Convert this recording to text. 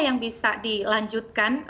yang bisa dilanjutkan